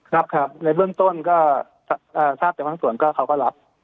ครับครับในเบื้องต้นก็ทราบแต่บางส่วนก็เขาก็รับ